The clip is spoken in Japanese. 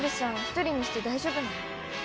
一人にして大丈夫なの？